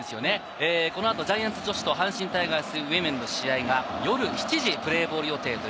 この後、ジャイアンツ女子と阪神タイガースＷｏｍｅｎの試合は、夜７時プレーボールです。